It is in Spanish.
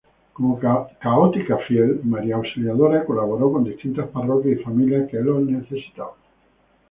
Como católica fiel, María Auxiliadora colaboró con distintas parroquias y familias que lo necesitaban.